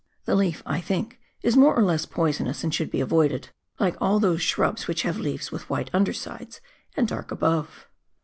The leaf, I think, is more or less poisonous, and should be avoided, like all those shrubs which have leaves with white undersides and dark above.